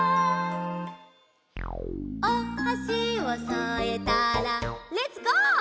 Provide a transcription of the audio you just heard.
「おはしをそえたらレッツゴー！